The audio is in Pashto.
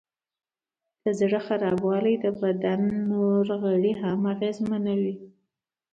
د زړه خرابوالی د بدن نور غړي هم اغېزمنوي.